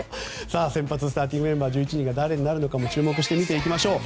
先発スターティングメンバー１１人が誰になるかも注目してみていきましょう。